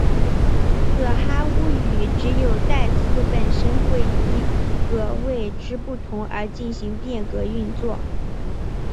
噶哈巫语只有代词本身会依格位之不同而进行变格运作。